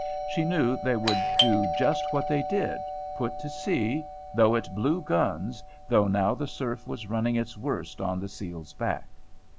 She knew they would do just what they did, put to sea, though it blew guns, though now the surf was running its worst on the Seal's Back.